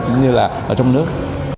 cũng như là ở trong nước